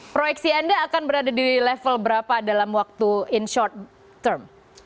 proyeksi anda akan berada di level berapa dalam waktu in short term